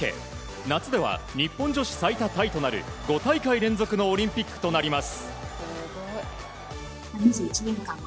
夏では日本女子最多タイとなる５大会連続でのオリンピックとなります。